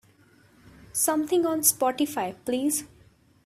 something on Spotify please